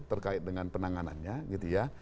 terkait dengan penanganannya gitu ya